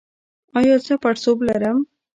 ایا زه پړسوب لرم؟